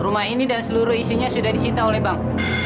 rumah ini dan seluruh isinya sudah disita oleh bank